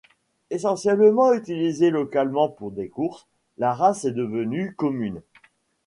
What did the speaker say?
Essentiellement utilisée localement pour des courses, la race est devenue commune.